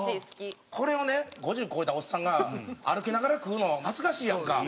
これをね５０超えたおっさんが歩きながら食うの恥ずかしいやんか。